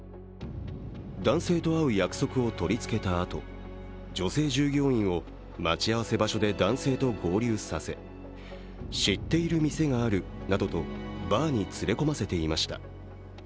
男性と会う約束を取り付けたあと、女性従業員を待ち合わせ場所で男性と合流させ、知っている店があるなどと、バーに連れ込ませていました。